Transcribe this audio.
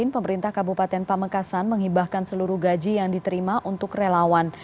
pemerintah kabupaten pamekasan menghibahkan seluruh gaji yang diterima untuk relawan